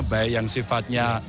baik yang sifatnya